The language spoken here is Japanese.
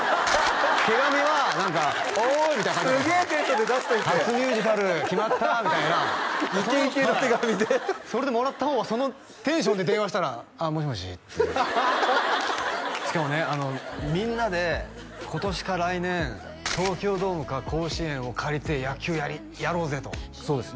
手紙は「おーい！」みたいな感じすげえテンションで出しといて「初ミュージカル決まった！」みたいなイケイケの手紙でそれでもらった方はそのテンションで電話したら「ああもしもし」しかもねみんなで今年か来年東京ドームか甲子園を借りて野球やろうぜとそうです